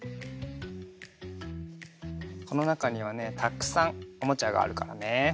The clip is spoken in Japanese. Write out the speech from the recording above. このなかにはねたくさんおもちゃがあるからね。